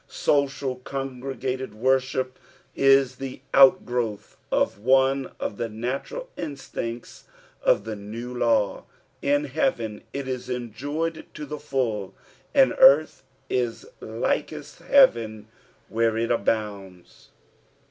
Social, conCTegated worship is the outgrowth of one of the natural instincts of the new life. In heaven it is enjoyed to the full, and earth is likest heaven where it abounds.